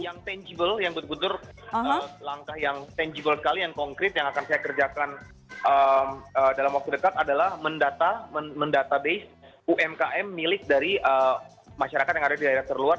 yang tangible yang betul betul langkah yang tangible sekali yang konkret yang akan saya kerjakan dalam waktu dekat adalah mendatabase umkm milik dari masyarakat yang ada di daerah terluar